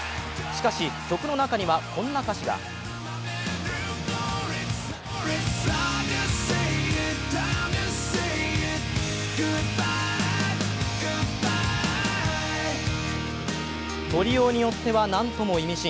しかし、曲の中にはこんな歌詞がとりようによっては何とも意味深。